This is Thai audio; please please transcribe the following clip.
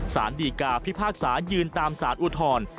สารดีกาพิพากษายืนตามสารอุทธร